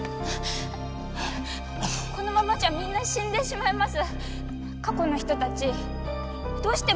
このままじゃみんな死んでしまいます。